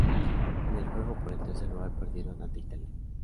En el juego por el tercer lugar perdieron ante Italia.